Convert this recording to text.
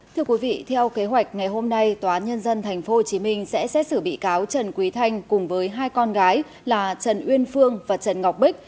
thưa quý vị theo kế hoạch ngày hôm nay tòa nhân dân tp hcm sẽ xét xử bị cáo trần quý thanh cùng với hai con gái là trần uyên phương và trần ngọc bích